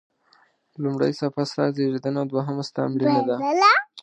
لومړۍ صفحه ستا زیږېدنه او دوهمه ستا مړینه ده.